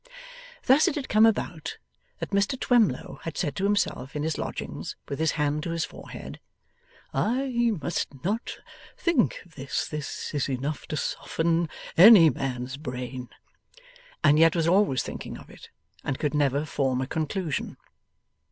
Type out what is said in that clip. Thus it had come about, that Mr Twemlow had said to himself in his lodgings, with his hand to his forehead: 'I must not think of this. This is enough to soften any man's brain,' and yet was always thinking of it, and could never form a conclusion.